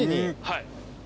はい。